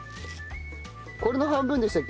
これの半分でしたっけ？